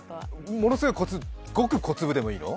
ものすごい、極小粒でもいいの？